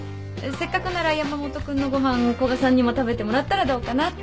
せっかくなら山本君のご飯古賀さんにも食べてもらったらどうかなって。